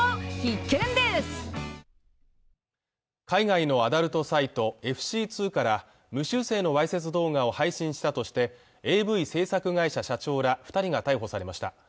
海外のアダルトサイトＦＣ２から無修正のわいせつ動画を配信したとしてＡＶ制作会社社長ら二人が逮捕されました